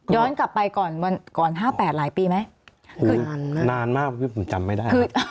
ย้อนกลับไปก่อน๕๘หลายปีไหมนานมากพี่ผมจำไม่ได้